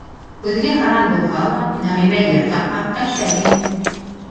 Һүҙгә һаран булһа ла, Нәғимә йыр-таҡмаҡҡа шәп ине.